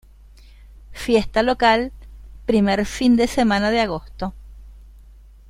Fiesta local, primer fin de semana de agosto.